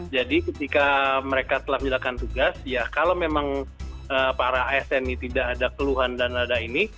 jadi ketika mereka telah menjalankan tugas ya kalau memang para asn ini tidak ada keluhan dan nada ini